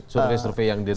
survei survei yang dirilis